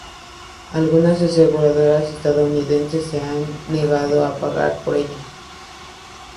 Algunas aseguradoras estadounidenses se han negado a pagar por ella.